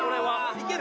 いける？